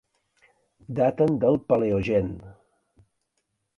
Daten del paleogen.